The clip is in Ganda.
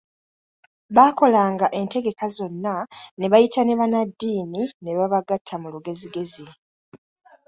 Baakolanga entegeka zonna, ne bayita ne bannaddiini ne babagatta mu lugezigezi.